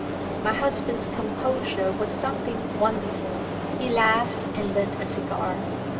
My husband's composure was something wonderful. He laughed and lit a cigar.